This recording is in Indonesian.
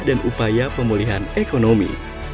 dan upaya pemulihan ekonomi